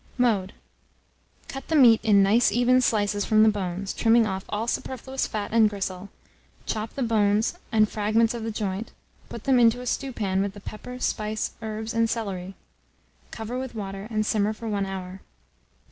Mode. Cut the meat in nice even slices from the bones, trimming off all superfluous fat and gristle; chop the bones and fragments of the joint, put them into a stewpan with the pepper, spice, herbs, and celery; cover with water, and simmer for 1 hour.